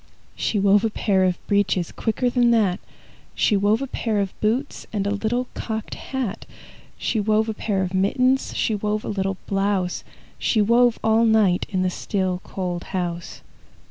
She wove a pair of breeches Quicker than that! She wove a pair of boots And a little cocked hat. She wove a pair of mittens, She wove a little blouse, She wove all night In the still, cold house.